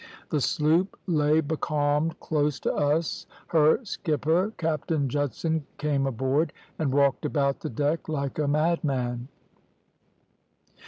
"The sloop lay becalmed close to us; her skipper, Captain Judson, came aboard, and walked about the deck like a madman.